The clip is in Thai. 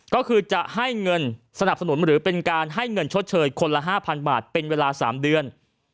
ก็คือจะให้เงินสนับสนุนหรือเป็นการให้เงินชดเชยคนละ๕๐๐บาทเป็นเวลา๓เดือน